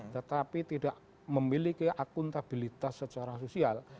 tetapi tidak memiliki akuntabilitas secara sosial